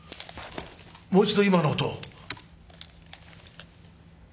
もう一度今の音を。